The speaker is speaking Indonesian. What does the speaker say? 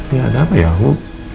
nggak ada apa ya hu